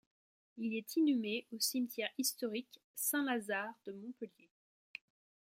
Il est inhumé au cimetière historique Saint-Lazare de Montpellier.